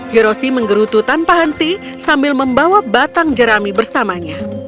hiroshi menggerutu tanpa henti sambil membawa batang jerami bersamanya